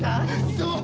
そう！